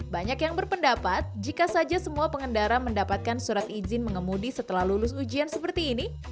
banyak yang berpendapat jika saja semua pengendara mendapatkan surat izin mengemudi setelah lulus ujian seperti ini